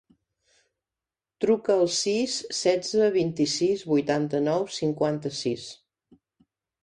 Truca al sis, setze, vint-i-sis, vuitanta-nou, cinquanta-sis.